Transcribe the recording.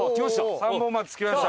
三本松着きました。